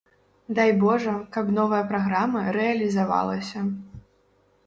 Дай божа, каб новая праграма рэалізавалася.